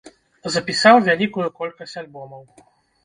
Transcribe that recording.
Запісаў вялікую колькасць альбомаў.